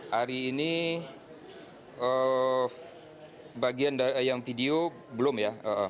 hari ini bagian yang video belum ya